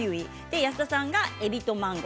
安田さんが、えびとマンゴー。